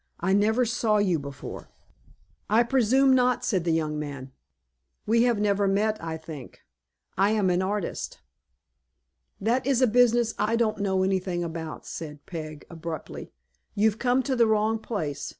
"I never saw you before." "I presume not," said the young man. "We have never met, I think. I am an artist." "That is a business I don't know anything about," said Peg, abruptly. "You've come to the wrong place.